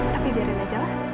tapi biarkan saja lah